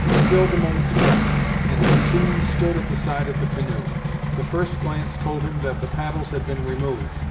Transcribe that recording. Still the moments pressed, and he soon stood at the side of the canoe. The first glance told him that the paddles had been removed!